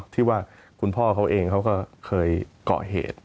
ที่ว่าคุณพ่อเขาเองเขาก็เคยเกาะเหตุ